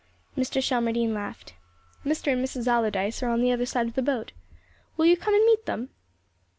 Mr. Shelmardine laughed. "Mr. and Mrs. Allardyce are on the other side of the boat. Will you come and meet them?"